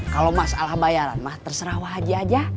kalau masalah bayaran mah terserah wajik aja